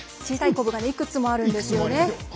小さいコブがいくつもあるんですよね。